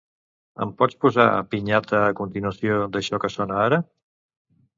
Ens pots posar "Piñata" a continuació d'això que sona ara?